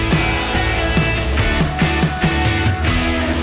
โปรดติดตามตอนต่อไป